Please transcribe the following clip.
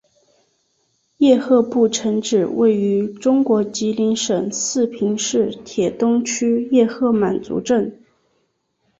叶赫部城址位于中国吉林省四平市铁东区叶赫满族镇。